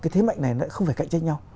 thế mạnh này nó lại không phải cạnh tranh nhau